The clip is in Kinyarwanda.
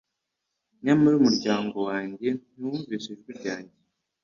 Nyamara umuryango wanjye ntiwumvise ijwi ryanjye